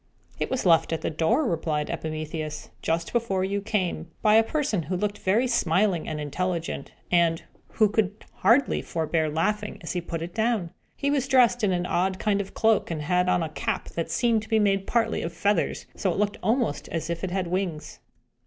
"It was left at the door," replied Epimetheus, "just before you came, by a person who looked very smiling and intelligent, and who could hardly forbear laughing as he put it down. He was dressed in an odd kind of a cloak, and had on a cap that seemed to be made partly of feathers, so that it looked almost as if it had wings."